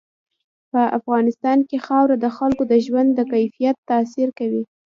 په افغانستان کې خاوره د خلکو د ژوند په کیفیت تاثیر کوي.